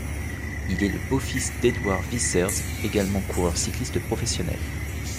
Il est le beau-fils de Edward Vissers également coureur cycliste professionnel.